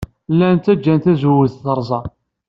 Llan ttajjan tazewwut terẓem.